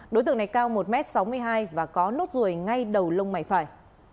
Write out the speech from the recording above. đối tượng này cao một m sáu mươi hai và có nốt ruồi ngay đầu lông mày phải